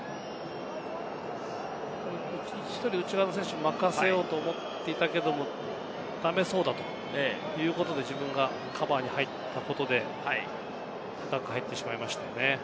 １人内側の選手に任せようと思っていたけれども、ダメそうだということで、自分がカバーに入ったことで、深く入ってしまいましたね。